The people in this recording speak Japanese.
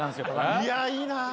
いやいいなぁ。